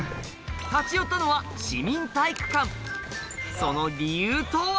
立ち寄ったのは市民体育館こんばんは。